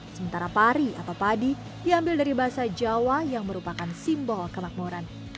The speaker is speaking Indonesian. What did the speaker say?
sementara pari atau padi diambil dari bahasa jawa yang merupakan simbol kemakmuran